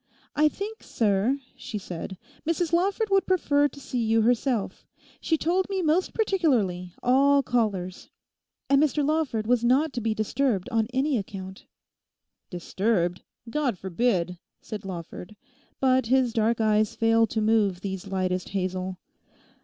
'I think, sir,' she said, 'Mrs Lawford would prefer to see you herself; she told me most particularly "all callers." And Mr Lawford was not to be disturbed on any account.' 'Disturbed? God forbid!' said Lawford, but his dark eyes failed to move these lightest hazel.